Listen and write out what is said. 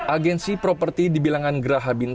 agensi properti dibilangan geraha bintang